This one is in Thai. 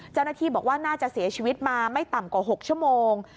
เจ้าหน้าที่บอกว่าน่าจะเสียชีวิตมาไม่ต่ำกว่า๖ชั่วโมง